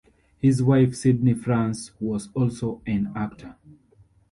His wife, Sidney Frances was also an actor.